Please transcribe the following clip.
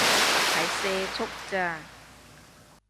係社畜咋